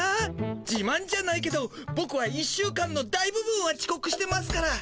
じまんじゃないけどボクは１週間の大部分はちこくしてますから。